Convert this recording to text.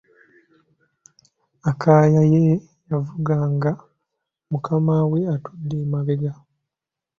Akaya ye yavuga nga mukama we atudde mabega.